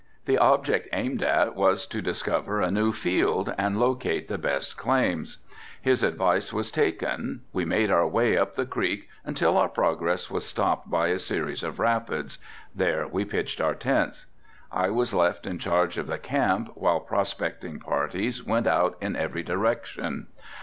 The object aimed at was to discover a new field and locate the best claims. His advice was taken. We made our way up the creek until our progress was stopped by a series of rapids, there we pitched our tents. I was left in charge of the camp while prospecting parties went out in every direction.